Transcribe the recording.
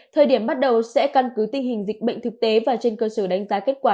thời điểm bắt đầu sẽ căn cứ tình hình dịch bệnh thực tế và trên cơ sở đánh giá kết quả